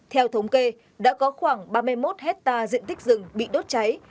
theo thống kê đã có khoảng ba mươi một hectare diện tích rừng bị đốt cháy